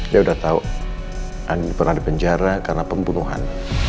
dia udah tau andin pernah di penjara karena pembunuhan